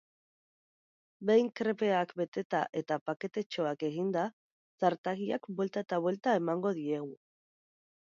Behin krepeak beteta eta paketetxoak eginda, zartagiak buelta eta buelta emango diegu.